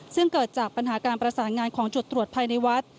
ซึ่งเกิดจากปัญหาการประสานงานของจุดตรวจภายในวัด